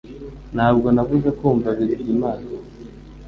Ntabwo nabuze kumva Bizimana